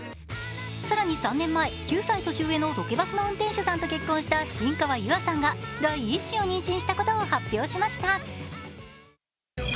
更に３年前、９歳年上のロケバスの運転手さんと結婚した新川優愛さんが第１子を妊娠したことを発表しました。